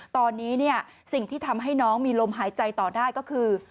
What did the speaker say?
ตอนนี้สิ่งที่ทำให้น้องมีลมหายใจต่อได้ก็คือ